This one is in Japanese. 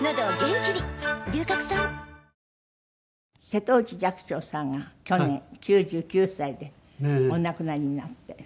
瀬戸内寂聴さんが去年９９歳でお亡くなりになって。